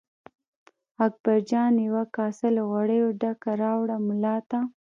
اکبرجان یوه کاسه له غوړو ډکه راوړه ملا ته.